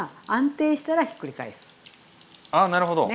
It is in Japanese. あなるほど。